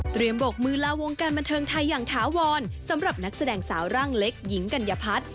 บกมือลาวงการบันเทิงไทยอย่างถาวรสำหรับนักแสดงสาวร่างเล็กหญิงกัญญพัฒน์